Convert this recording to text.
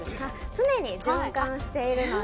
常に循環しているので。